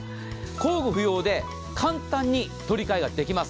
工具不要で簡単に取り替えができます。